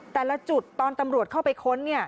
แต่ละจุดตอนตำรวจเข้าไปค้น